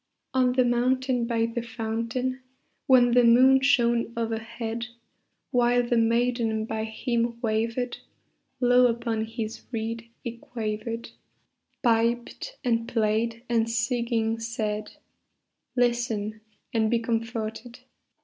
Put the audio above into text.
On the mountain by the fountain, When the moon shone overhead, While the maiden by him wavered, Low upon his reed he quavered, Piped and played and singing said, "Listen and be comforted!